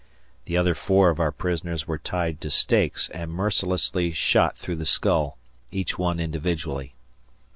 The other four of our prisoners were tied to stakes and mercilessly shot through the skull, each one individually.